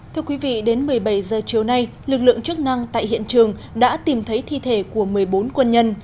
thưa quý vị đến một mươi bảy h chiều nay lực lượng chức năng tại hiện trường đã tìm thấy thi thể của một mươi bốn quân nhân